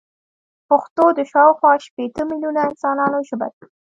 پښتو د شاوخوا شپيته ميليونه انسانانو ژبه ده.